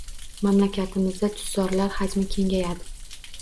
Mamlakatimizda tutzorlar hajmi kengayadi